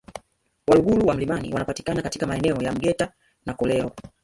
Waluguru wa milimani wanapatikana katika maeneo ya Mgeta na Kolero